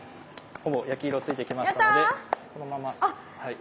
ほぼ焼き色ついてきましたのでこのままはい。